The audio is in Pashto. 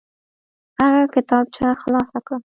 هغه کتابچه خلاصه کړه.